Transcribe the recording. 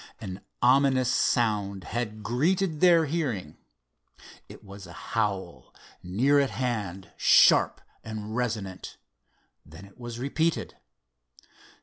An ominous sound had greeted their hearing. It was a howl near at hand, sharp and resonant. Then it was repeated.